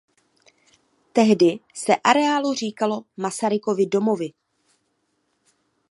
Tehdy se areálu říkalo Masarykovy domovy.